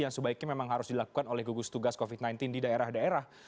yang sebaiknya memang harus dilakukan oleh gugus tugas covid sembilan belas di daerah daerah